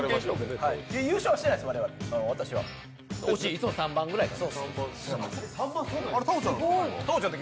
いつも３番くらいです。